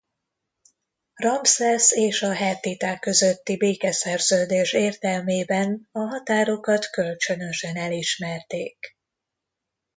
Ramszesz és a hettiták közötti békeszerződés értelmében a határokat kölcsönösen elismerték.